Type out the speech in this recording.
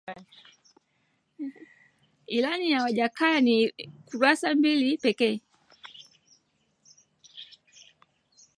Ilani ya Wajackoya ni ya kurasa mbili pekee